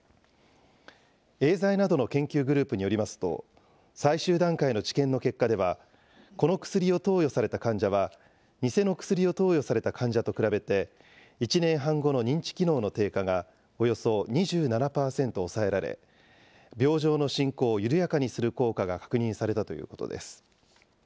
エーザイなどの研究グループによりますと、最終段階の治験の結果では、この薬を投与された患者は、偽の薬を投与された患者と比べて１年半後の認知機能の低下がおよそ２７％抑えられ、病状の進行を緩やかにする効果が確認されたということです。